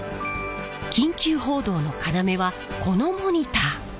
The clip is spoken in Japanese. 緊急報道の要はこのモニター。